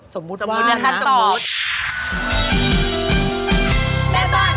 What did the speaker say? สมมุติว่านนะ